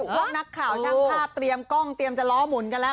พวกนักข่าวช่างภาพเตรียมกล้องเตรียมจะล้อหมุนกันแล้ว